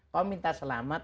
kau minta selamat